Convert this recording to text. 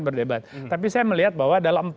berdebat tapi saya melihat bahwa dalam